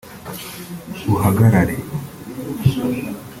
uhagarare